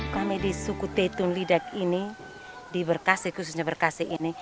kami di suku tetun lidek ini di berkasi khususnya berkasi ini